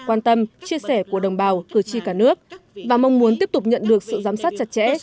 quan tâm chia sẻ của đồng bào cử tri cả nước và mong muốn tiếp tục nhận được sự giám sát chặt chẽ